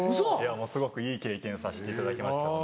すごくいい経験させていただきました。